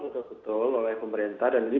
betul betul oleh pemerintah dan ini